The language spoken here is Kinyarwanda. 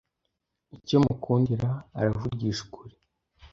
icyo mukundira Uravugisha ukuri